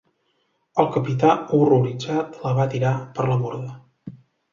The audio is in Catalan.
El capità, horroritzat, la va tirar per la borda.